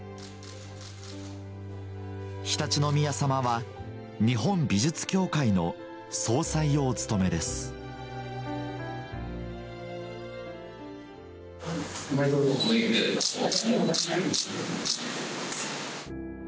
常陸宮さまは日本美術協会の総裁をお務めですおめでとうございます。